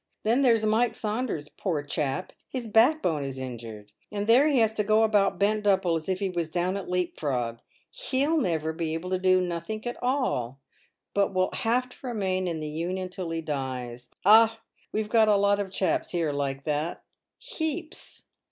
Then there's Mike Saunders, poor chap, his back bone is injured, and there he has to go about bent double as if he was down at leap frog. He'll never be able to do nothink at all, but will have to remain in the Union till he dies. Ah ! we've got a lot of chaps here like that — heaps